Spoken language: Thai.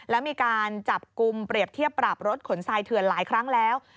แล้วมีการจับกลุ่มเปรียบเทียบปรับรถขนทรายเถื่อนหลายครั้งแล้ว